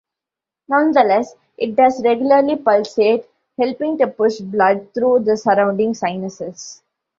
Nonetheless, it does regularly pulsate, helping to push blood through the surrounding sinuses.